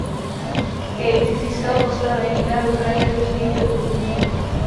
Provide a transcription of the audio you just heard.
Cage získal postavení na rozhraní různých druhů umění.